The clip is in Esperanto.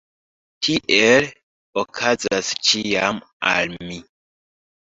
Tiel okazas ĉiam al mi.